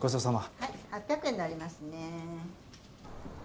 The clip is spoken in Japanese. ・はい８００円になりますね。